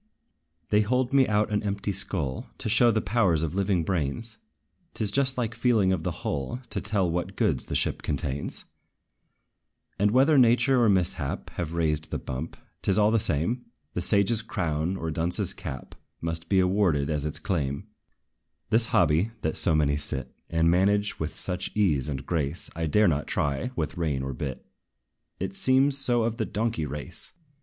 They hold me out an empty skull, To show the powers of living brains: 'T is just like feeling of the hull, To tell what goods the ship contains. And, whether nature or mishap Have raised the bump, 't is all the same; The sage's crown, or dunce's cap Must be awarded as its claim. This hobby, that so many sit, And manage with such ease and grace, I dare not try with rein or bit, It seems so of the donkey race.